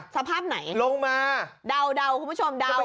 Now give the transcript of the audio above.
สภาพไหนลงมาเดาคุณผู้ชมเดา